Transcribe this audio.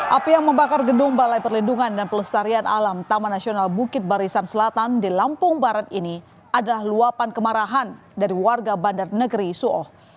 api yang membakar gedung balai perlindungan dan pelestarian alam taman nasional bukit barisan selatan di lampung barat ini adalah luapan kemarahan dari warga bandar negeri suoh